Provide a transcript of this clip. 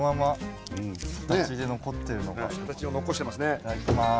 いただきます。